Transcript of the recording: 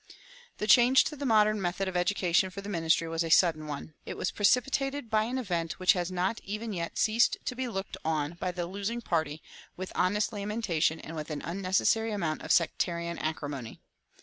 The change to the modern method of education for the ministry was a sudden one. It was precipitated by an event which has not even yet ceased to be looked on by the losing party with honest lamentation and with an unnecessary amount of sectarian acrimony.